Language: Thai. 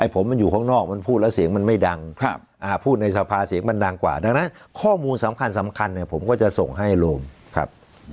ผมมันอยู่ข้างนอกมันพูดแล้วเสียงมันไม่ดังพูดในสภาเสียงมันดังกว่าดังนั้นข้อมูลสำคัญสำคัญเนี่ยผมก็จะส่งให้โรมครับ